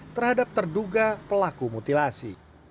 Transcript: terhadap terduga pelaku mutilasi